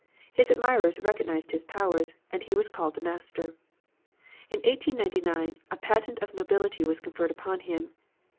His admirers recognized his powers, and he was called the master. In 1899 a patent of nobility was conferred upon him.